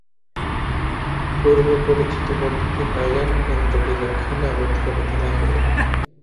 পূর্বপরিচিত বন্ধুদের পাইয়া নরেন্দ্র বিলক্ষণ আমোদ করিতে লাগিলেন।